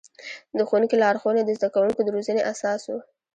د ښوونکي لارښوونې د زده کوونکو د روزنې اساس و.